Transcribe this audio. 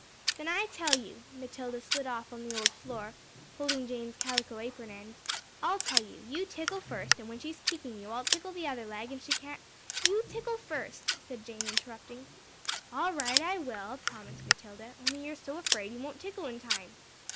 "Then, I tell you." Matilda slid off on the old floor, holding Jane's calico apron end. "I'll tell you; you tickle first, an' when she's kicking you, I'll tickle the other leg, and she can't " "You tickle first," said Jane, interrupting. "All right, I will," promised Matilda; "only you're so afraid, you won't tickle in time."